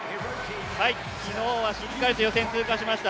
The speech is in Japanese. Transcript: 昨日はしっかりと予選通過しました。